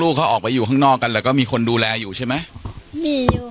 ลูกเขาออกไปอยู่ข้างนอกกันมาก็มีคนดูแลอยู่ใช่ไหม